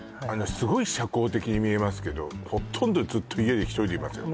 すごい社交的に見えますけどほとんどずっと家で１人でいますよ